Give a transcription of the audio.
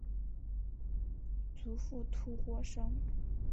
祖父涂国升。